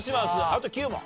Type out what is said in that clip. あと９問。